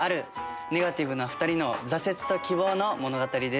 ネガティブな２人の挫折と希望の物語です。